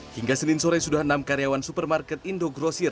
hingga senin sore sudah enam karyawan supermarket indo grocer